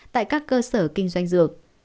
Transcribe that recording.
tại các cơ sở kinh doanh dược